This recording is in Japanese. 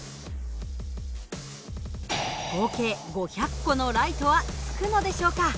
合計５００個のライトはつくのでしょうか？